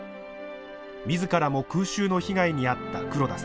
自らも空襲の被害に遭った黒田さん。